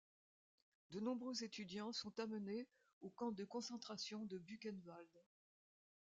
De nombreux étudiants sont amenés au camp de concentration de Buchenwald.